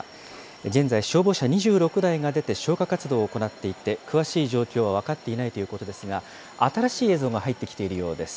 現在、消防車２６台が出て消火活動を行っていて、詳しい状況は分かっていないということですが、新しい映像が入ってきているようです。